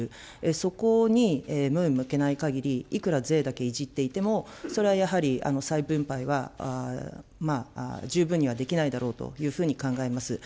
そこに目を向けないかぎり、いくら税だけいじっていても、それはやはり再分配は十分にはできないだろうというふうに考えます。